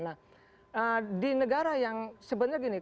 nah di negara yang sebenarnya gini